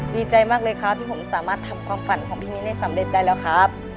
ดีใจมากเลยครับที่ผมสามารถทำความฝันของพี่มิ้นได้สำเร็จได้แล้วครับ